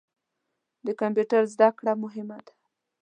د کمپیوټر زده کړه مهمه ده.